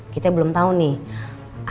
kita belum tau nih